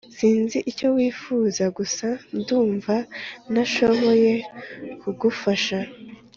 sinzi icyo wifuza gusa ndumva ntashoboye kugufasha